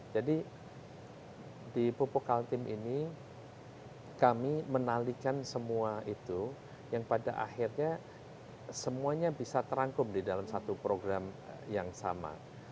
jadi di pupuk altim ini kami menalikan semua itu yang pada akhirnya semuanya bisa terangkum di dalam satu program yang sama